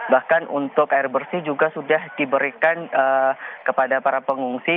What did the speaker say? bahkan untuk air bersih juga sudah diberikan kepada para pengungsi